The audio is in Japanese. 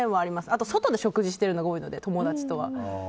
あと、外で食事しているのが多いので、友達とは。